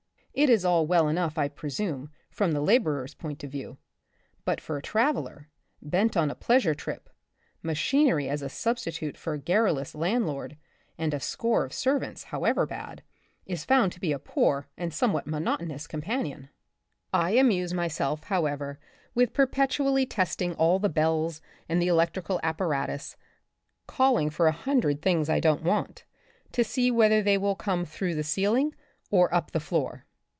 It is all well enough, I presume, from the laborer's point of view. But for a traveller, bent on a pleasure trip, machinery as a substitute for a garrulous landlord, and a score of servants, however bad, is found to be a poor and somewhat monotonous companion. I I r The Republic of the Future, 19 amuse myself, however, with perpetually test ing all the bells and the electrical apparatus, calling for a hundred things I don't want, to see whether they will come through the ceiling or up the floor.